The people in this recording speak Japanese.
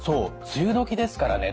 梅雨時ですからね